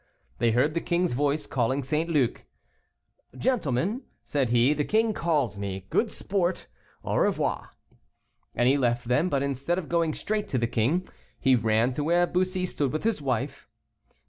They heard the king's voice calling St. Luc. "Gentlemen," said he, "the king calls me. Good sport, au revoir." And he left them, but instead of going straight to the king, he ran to where Bussy stood with his wife.